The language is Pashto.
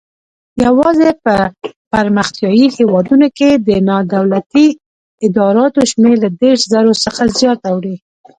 یوازې په پرمختیایي هیوادونو کې د نادولتي ادراراتو شمېر له دېرش زرو څخه اوړي.